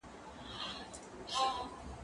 شګه د کتابتوننۍ له خوا پاکيږي؟